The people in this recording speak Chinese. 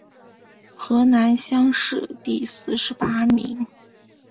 河南乡试第四十八名。